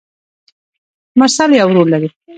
مرسل يو ورور لري.